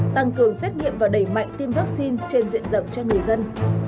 tăng cường xét nghiệm và đẩy mạnh tiêm vaccine trên diện rộng cho người dân